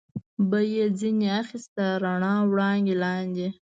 به یې ځنې اخیست، د رڼا وړانګې لاندې.